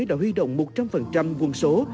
đã huy động một trăm linh quân số